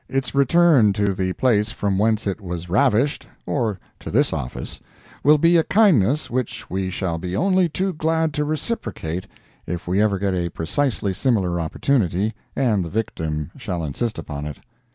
Its return to the place from whence it was ravished, or to this office, will be a kindness which we shall be only too glad to reciprocate if we ever get a precisely similar opportunity, and the victim shall insist upon it.